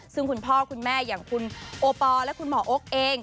ซึ่งคุณพ่อคุณแม่อย่างคุณโอปอลและคุณหมอโอ๊คเอง